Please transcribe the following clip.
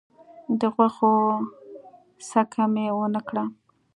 د غوښو څکه مي ونه کړه .